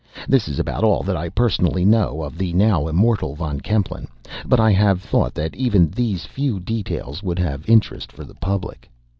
This is about all that I personally know of the now immortal Von Kempelen; but I have thought that even these few details would have interest for the public.